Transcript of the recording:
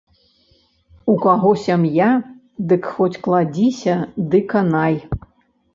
У каго сям'я, дык хоць кладзіся ды канай.